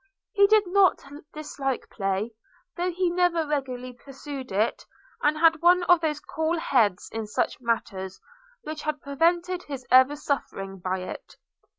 He did not dislike play, though he never regularly pursued it; and had one of those cool heads in such matters, which had prevented his ever suffering by it.